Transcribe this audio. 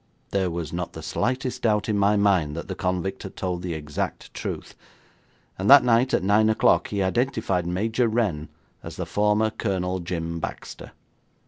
There was not the slightest doubt in my mind that the convict had told the exact truth, and that night, at nine o'clock, he identified Major Renn as the former Colonel Jim Baxter.